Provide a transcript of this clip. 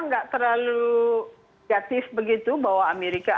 gak terlalu negatif begitu bahwa amerika